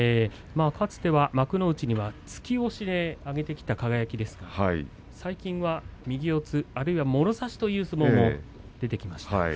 かつては幕内では突き押しで上げてきた輝ですが最近は右四つもろ差しという相撲も出てきました。